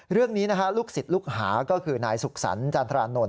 เรื่องนี้นะฮะลูกศิษย์ลูกหาก็คือนายสุขสรรค์จันทรานนท